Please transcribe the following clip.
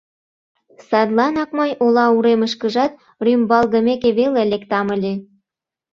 Садланак мый ола урмышкыжат рӱмбалгымеке веле лектам ыле.